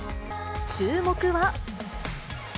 注目は。